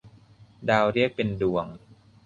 ดาวเรียกเป็นดวง